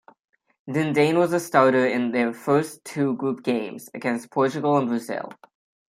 Dindane was a starter in their first two group games, against Portugal and Brazil.